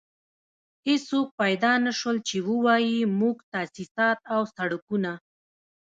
هېڅوک پيدا نه شول چې ووايي موږ تاسيسات او سړکونه.